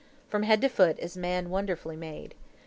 From head to foot is man wonderfully made.